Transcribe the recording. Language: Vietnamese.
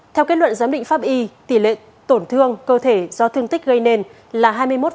theo kết luận giám định pháp y tỷ lệ tổn thương cơ thể do thương tích gây nên là hai mươi một